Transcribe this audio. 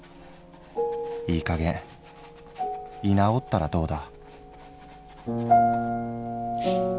いい加減居直ったらどうだ」。